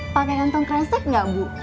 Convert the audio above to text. pakai gantung kristik nggak bu